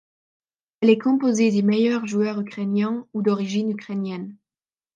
Elle est composée des meilleurs joueurs ukrainiens ou d'origine ukrainienne.